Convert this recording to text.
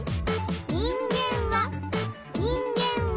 「人間は人間は」